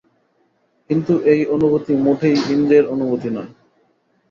কিন্তু এই অনুভূতি মোটেই ইন্দ্রিয়ের অনুভূতি নয়।